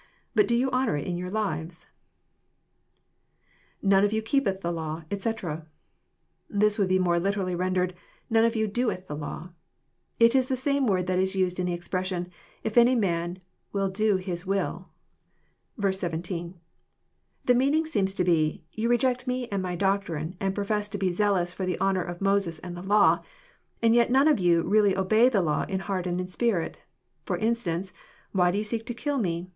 But do you honour it in your lives ?" [None of you keepeih the law, etc.'] This would be more literally rendered, *' none of you, doetfi the law." It is the same word that is used in the expression, if any man will do His will," (v. 17.) The meaning seems to be, " Youjc^ject me and my doctrine, and profess to be zealous for the honour of Moses and the law. And yet none of you really obey the law in heart and in spirit. For instance: why do you seek to kill me